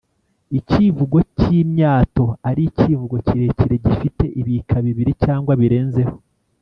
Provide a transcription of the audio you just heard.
ikivugo k’imyato ari ikivugo kirekire gifite ibika bibiri cyangwa birenzeho